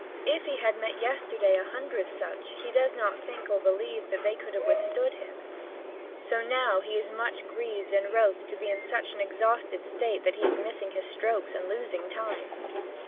If he had met yesterday a hundred such, he does not think or believe that they could have withstood him; so now he is much grieved and wroth to be in such an exhausted state that he is missing his strokes and losing time.